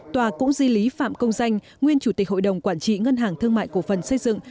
tòa cũng di lý phạm công danh nguyên chủ tịch hội đồng quản trị ngân hàng thương mại cổ phần xây dựng